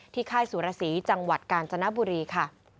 ค่ายสุรสีจังหวัดกาญจนบุรีค่ะ